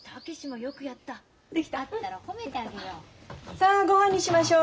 さあごはんにしましょう。